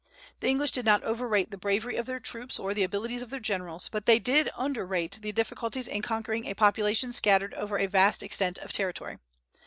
The English did not overrate the bravery of their troops or the abilities of their generals, but they did underrate the difficulties in conquering a population scattered over a vast extent of territory.